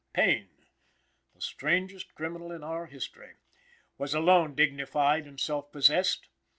Payne, the strangest criminal in our history, was alone dignified and self possessed.